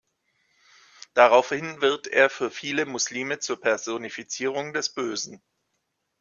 Daraufhin wird er für viele Muslime zur Personifizierung des Bösen.